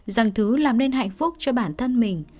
rằng thứ làm nên hạnh phúc cho bản thân mình